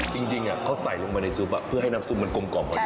จริงเขาใส่ลงไปในซุปเพื่อให้น้ำซุปมันกลมกล่อมพอดี